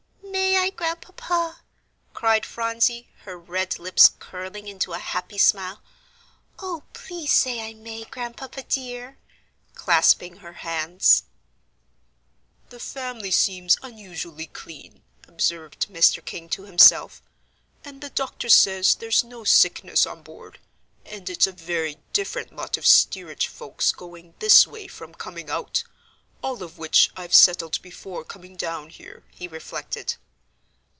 "May I, Grandpapa?" cried Phronsie, her red lips curling into a happy smile. "Oh, please say I may, Grandpapa dear," clasping her hands. "The family seems unusually clean," observed Mr. King to himself. "And the doctor says there's no sickness on board, and it's a very different lot of steerage folks going this way from coming out, all of which I've settled before coming down here," he reflected.